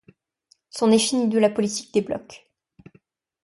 C'en est fini de la politique des blocs.